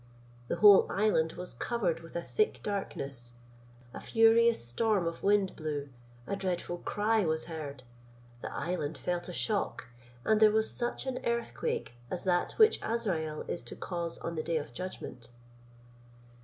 The whole island was covered with a thick darkness, a furious storm of wind blew, a dreadful cry was heard, the island felt a shock, and there was such an earthquake, as that which Asrayel is to cause on the day of judgment.